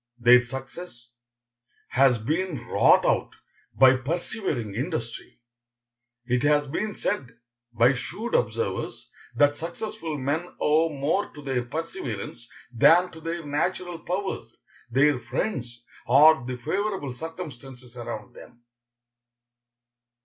Their success has been wrought out by persevering industry. It has been said by shrewd observers that successful men owe more to their perseverance than to their natural powers, their friends, or the favorable circumstances around them.